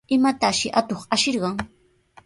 ¿Imatashi atuq ashirqan?